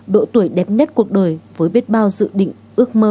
độ tuổi đẹp nhất cuộc đời với biết bao dự định ước mơ